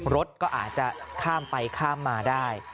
รถก็อาจจะข้ามไปข้ามมาได้